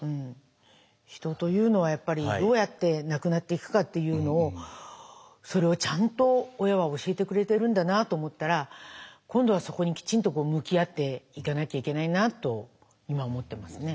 人というのはやっぱりどうやって亡くなっていくかというのをそれをちゃんと親は教えてくれてるんだなと思ったら今度はそこにきちんと向き合っていかなきゃいけないなと今思ってますね。